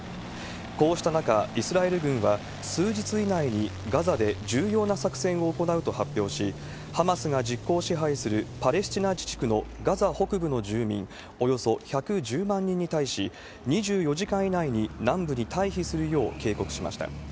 こうした中、イスラエル軍は、数日以内にガザで重要な作戦を行うと発表し、ハマスが実効支配するパレスチナ自治区のガザ北部の住民およそ１１０万人に対し、２４時間以内に南部に退避するよう警告しました。